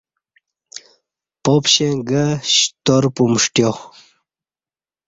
پاپشیں گہ شتار پُمݜٹیا